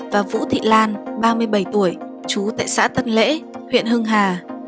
và vũ thị lan ba mươi bảy tuổi chú tại xã tân lễ huyện hưng hà